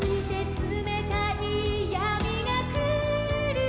「つめたいやみがくる」